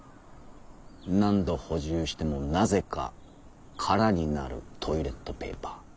「何度補充してもなぜかカラになるトイレットペーパー」。